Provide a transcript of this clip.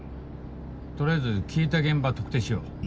取りあえず消えた現場特定しよう。